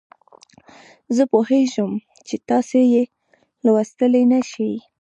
زه پوهیږم چې تاسې یې لوستلای نه شئ.